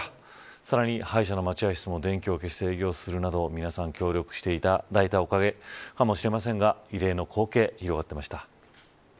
さらに歯医者の待合室も電気を消して営業するなど皆さん協力していただいたおかげかもしれませんが異例の光景が広がっていました。